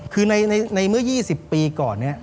คือในเมื่อ๒๐ปีก่อนเนี่ย